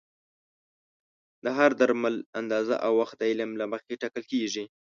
د هر درمل اندازه او وخت د علم له مخې ټاکل کېږي.